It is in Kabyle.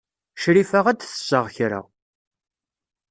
Crifa ad d-tseɣ kra.